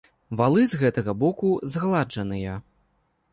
Валы з гэтага боку згладжаныя.